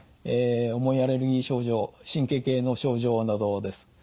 重いアレルギー症状神経系の症状などです。